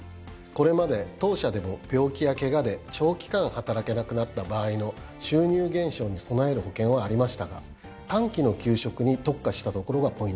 これまで当社でも病気やケガで長期間働けなくなった場合の収入減少に備える保険はありましたが短期の休職に特化したところがポイントです。